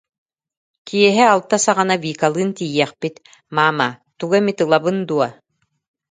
Киэһэ алта саҕана Викалыын тиийиэхпит, маама, тугу эмит ылабын дуо